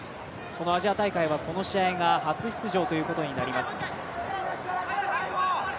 アジア大会はこの試合が初出場ということになります。